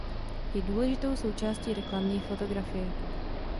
Je důležitou součástí reklamní fotografie.